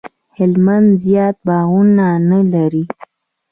هلمند زیات باغونه نه لري